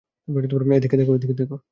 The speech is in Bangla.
এদিকে দেখো, এদিকে দেখো।